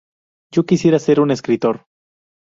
Yo quería ser un escritor.